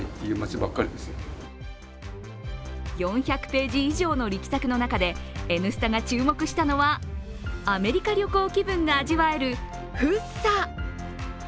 ４００ページ以上の力作の中で「Ｎスタ」が注目したのはアメリカ旅行気分が味わえる福生。